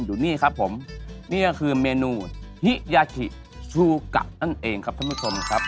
อยู่นี่ครับผมนี่ก็คือเมนูฮิยาธิชูกะนั่นเองครับท่านผู้ชมครับ